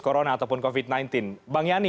corona ataupun covid sembilan belas bang yani